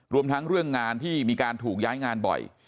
รวมทั้งเรื่องงานที่มีการถูกย้ายงานบ่อย